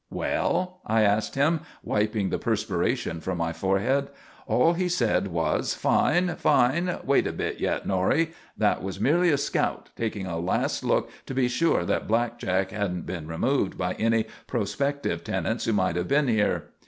"Well?" I asked him, wiping the perspiration from my forehead. All he said was "Fine! Fine! Wait a bit yet, Norrie! That was merely a scout, taking a last look to be sure that blackjack hadn't been removed by any prospective tenants who might have been here."